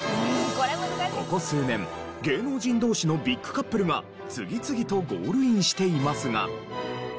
ここ数年芸能人同士のビッグカップルが次々とゴールインしていますが。